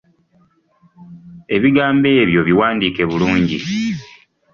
Ebigambo ebyo biwandiike bulungi.